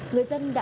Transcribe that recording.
người dân đại